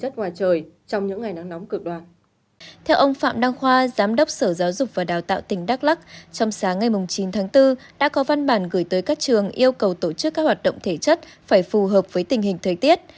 theo ông phạm đăng khoa giám đốc sở giáo dục và đào tạo tỉnh đắk lắc trong sáng ngày chín tháng bốn đã có văn bản gửi tới các trường yêu cầu tổ chức các hoạt động thể chất phải phù hợp với tình hình thời tiết